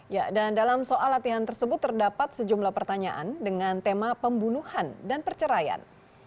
ya dan dalam soal latihan tersebut terdapat sejumlah pertanyaan dengan tema pembunuhan dan perceraian